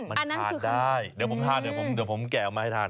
มันทานได้เดี๋ยวผมทานเดี๋ยวผมแกะออกมาให้ทาน